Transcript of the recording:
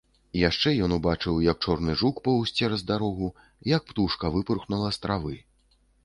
Яшчэ ён убачыў, як чорны жук поўз цераз дарогу, як птушка выпырхнула з травы.